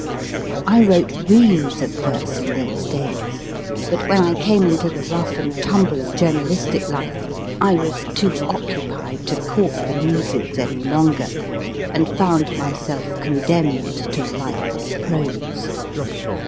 I wrote reams of verse in those days, but when I came into the rough and tumble of journalistic life I was too occupied to court the Muses any longer, and found myself condemned to a life of prose.